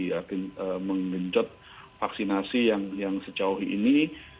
jadi mengejar vaksinasi yang sejauh ini